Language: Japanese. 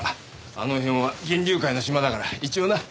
あの辺は銀龍会のシマだから一応な。